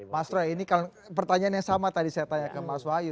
mas roy ini pertanyaan yang sama tadi saya tanya ke mas wahyu